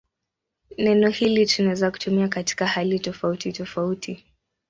Neno hili tunaweza kutumia katika hali tofautitofauti.